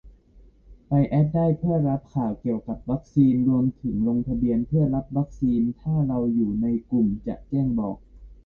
ไปแอดได้ เพื่อรับข่าวเกี่ยวกับวัคซีน รวมถึงลงทะเบียนเพื่อรับวัคซีน ถ้าเราอยู่ในกลุ่ม จะมีแจ้งบอก